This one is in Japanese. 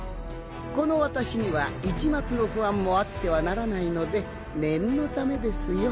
この私には一抹の不安もあってはならないので念のためですよ。